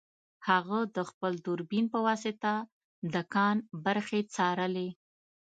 هغه د خپل دوربین په واسطه د کان برخې څارلې